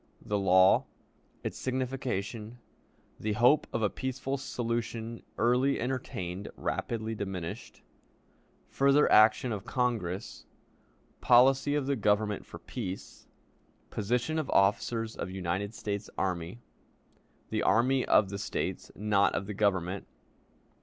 The Law. Its Signification. The Hope of a Peaceful Solution early entertained; rapidly diminished. Further Action of Congress. Policy of the Government for Peace. Position of Officers of United States Army. The Army of the States, not of the Government.